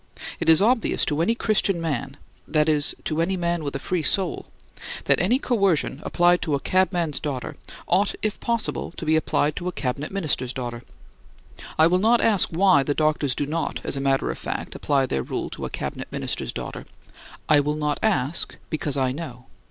It is obvious to any Christian man (that is, to any man with a free soul) that any coercion applied to a cabman's daughter ought, if possible, to be applied to a Cabinet Minister's daughter. I will not ask why the doctors do not, as a matter of fact apply their rule to a Cabinet Minister's daughter. I will not ask, because I know.